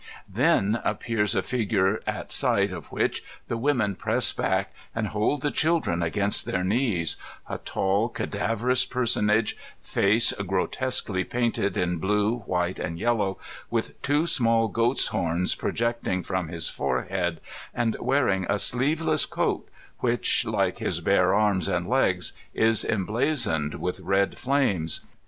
Then appears a figure at sight of which the women press back and hoM the chiUbren against their knees: atall, cadav erous personage, face grotesquely painted in blue, white, and yellow, with two small goat's horns projecting from his fore head, and wearing a sleeveless coat which, like his bare arms and legs, is emblazoned with red flames.